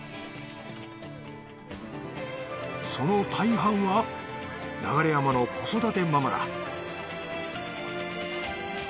その大半は流山の子育てママだ